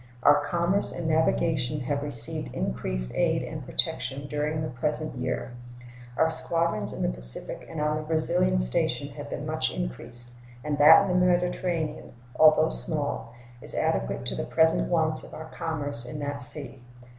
Our commerce and navigation have received increased aid and protection during the present year. Our squadrons in the Pacific and on the Brazilian station have been much increased, and that in the Mediterranean, although small, is adequate to the present wants of our commerce in that sea.